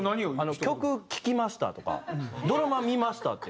「曲聴きました」とか「ドラマ見ました」って。